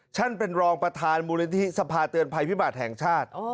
ฉันเป็นรองประธานบุรินทิศภาคเตือนภัยพิบาทแห่งชาติ